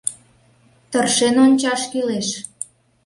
Тыршен ончаш кӱлеш...